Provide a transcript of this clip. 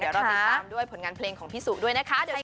เดี๋ยวเราติดตามด้วยผลงานเพลงของพี่สุด้วยนะคะ